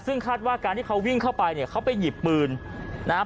ซึ่งคาดว่าการที่เขาวิ่งเข้าไปเนี่ยเขาไปหยิบปืนนะครับ